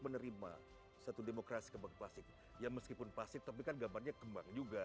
menerima satu demokrasi kembang plastik ya meskipun pasif tapi kan gambarnya kembang juga